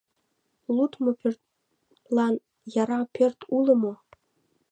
Лудмо пӧртлан яра пӧрт уло мо?